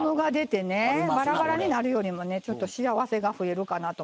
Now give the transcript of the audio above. ばらばらになるよりもねちょっと幸せが増えるかなと思って。